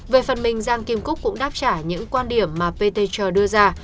về phần mình giang kim cúc cũng đáp trả những quan điểm mà pt trờ đưa ra